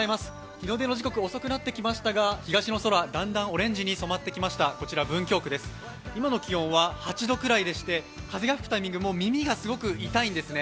日の出の時刻、遅くなってきましたが東の空、だんだんオレンジに染まってきました、文京区です、今の気温は８度くらいでして風が吹くたび耳がすごく痛いんですね。